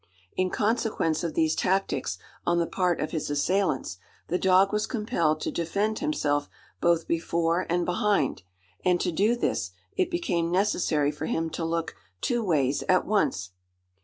In consequence of these tactics on the part of his assailants, the dog was compelled to defend himself both before and behind: and to do this, it became necessary for him to look "two ways at once."